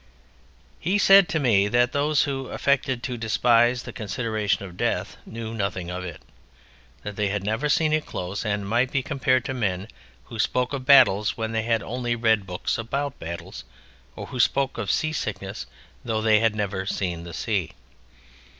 He said to me that those who affected to despise the consideration of Death knew nothing of it; that they had never seen it close and might be compared to men who spoke of battles when they had only read books about battles, or who spoke of sea sickness though they had never seen the sea.